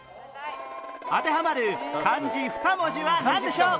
当てはまる漢字２文字はなんでしょう？